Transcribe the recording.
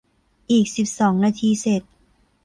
อีกสิบสองนาทีเสร็จ